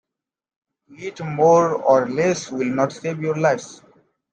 To eat more or less will not save your lives.